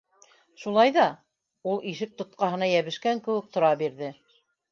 Шулай ҙа... - ул ишек тотҡаһына йәбешкән кеүек тора бирҙе.